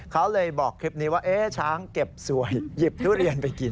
เขาเลยบอกคลิปนี้ว่าช้างเก็บสวยหยิบทุเรียนไปกิน